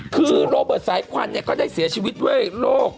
คือโรเบิร์ตสายควันก็ได้เสียชีวิตด้วยโรค